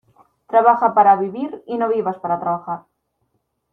Trabaja para vivir y no vivas para trabajar.